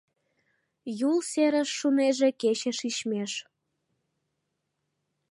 Юл серыш шунеже кече шичмеш